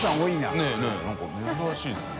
何か珍しいですね。